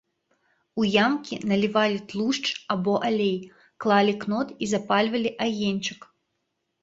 У ямкі налівалі тлушч або алей, клалі кнот і запальвалі агеньчык.